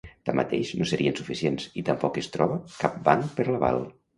Tanmateix, no serien suficients i tampoc es troba cap banc per l'aval.